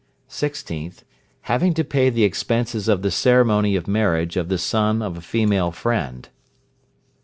16th. Having to pay the expenses of the ceremony of marriage of the son of a female friend.